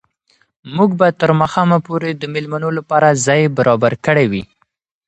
موږ به تر ماښامه پورې د مېلمنو لپاره ځای برابر کړی وي.